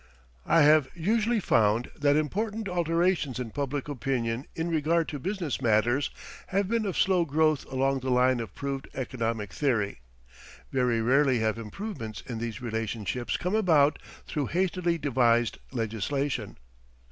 I have usually found that important alterations in public opinion in regard to business matters have been of slow growth along the line of proved economic theory very rarely have improvements in these relationships come about through hastily devised legislation.